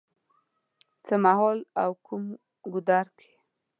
څه مهال او کوم ګودر کې